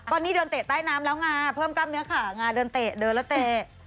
ก็นี่เดินเตะใต้น้ำแล้วงาเพิ่มกล้ามเนื้อขางาเดินเตะเดินแล้วเตะ